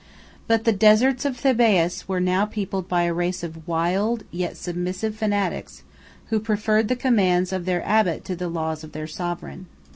138 But the deserts of Thebais were now peopled by a race of wild, yet submissive fanatics, who preferred the commands of their abbot to the laws of their sovereign.